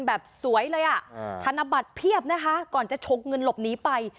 แบบสวยเลยอ่ะธนบัตรเพียบนะคะก่อนจะชกเงินหลบหนีไป